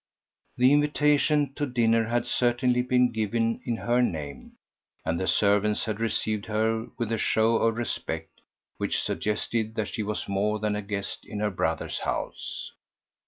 The invitation to dinner had certainly been given in her name, and the servants had received her with a show of respect which suggested that she was more than a guest in her brother's house.